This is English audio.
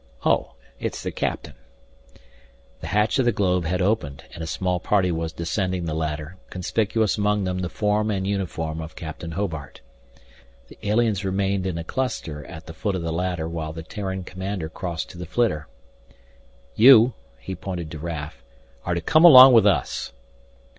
Oh, it's the captain " The hatch of the globe had opened, and a small party was descending the ladder, conspicuous among them the form and uniform of Captain Hobart. The aliens remained in a cluster at the foot of the ladder while the Terran commander crossed to the flitter. "You" he pointed to Raf "are to come along with us."